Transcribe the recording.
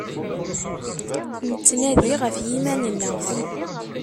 Nettnadi γef yiman-nneγ.